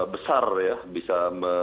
besar ya bisa